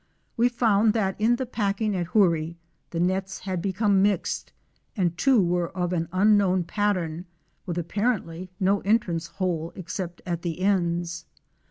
We found that in the packing at Hoorie, the nets had become mixed and two were of an unknown pattern, with apparently no entrance hole except at the ends.